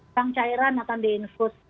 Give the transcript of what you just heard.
sang cairan akan diinfus